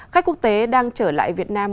khách quốc tế đang trở lại việt nam